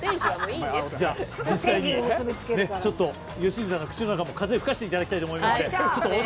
良純さんの口の中も風を吹かせていただきたいと思います。